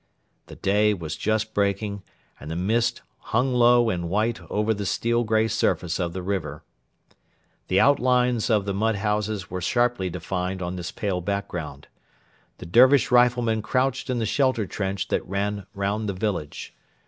The day was just breaking, and the mist hung low and white over the steel grey surface of the river. The outlines of the mud houses were sharply defined on this pale background. The Dervish riflemen crouched in the shelter trench that ran round the village.